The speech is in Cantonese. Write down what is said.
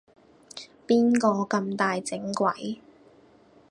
邊個咁大整鬼